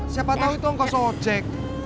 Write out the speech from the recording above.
siapa tau itu angkos hojang